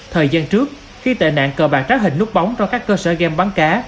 thời gian trước khi tệ nạn cờ bạc trái hình nút bóng trong các cơ sở game bắn cá